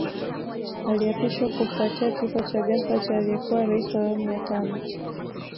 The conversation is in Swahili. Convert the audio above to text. Aliapishwa kufuatia kifo cha ghafla cha aliyekuwa Rais wa Awamu ya Tano